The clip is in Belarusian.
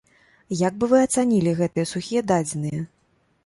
Як бы вы ацанілі гэтыя сухія дадзеныя?